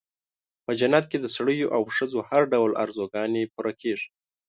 په جنت کې د سړیو او ښځو هر ډول آرزوګانې پوره کېږي.